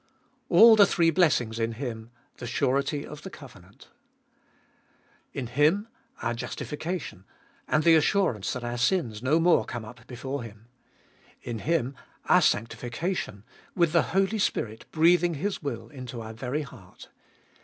2. All the three blessings in Him the surety of the covenant. In Him our justification and the assurance that our sins no more come up before Him. In Him our sanctif cation, with the Holy Spirit breathing His will into our very heart.